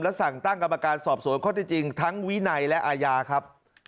และสั่งตั้งกรรมการสอบสวนข้อที่จริงทั้งวินัยและอาญาครับ